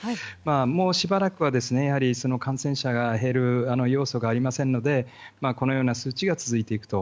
もうしばらくは、感染者が減る要素がありませんのでこのような数値が続いていくと。